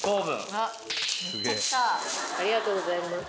ありがとうございます。